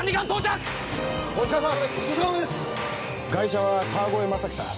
ガイシャは川越柾さん。